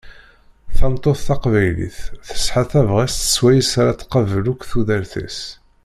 Tameṭṭut taqbaylit, tesɛa tabɣest s wayes ara tqabel akk tudert-is.